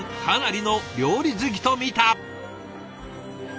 かなりの料理好きとみた！